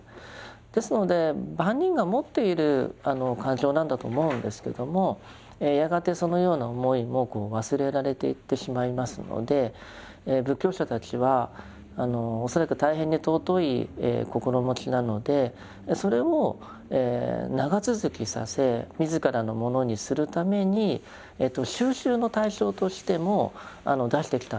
ですので万人が持っている感情なんだと思うんですけどもやがてそのような思いも忘れられていってしまいますので仏教者たちは恐らく大変に尊い心持ちなのでそれを長続きさせ自らのものにするために修習の対象としても出してきたんだと思います。